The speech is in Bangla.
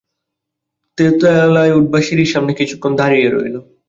তেতালায় ওঠবার সিঁড়ির সামনে কিছুক্ষণ দাঁড়িয়ে রইল।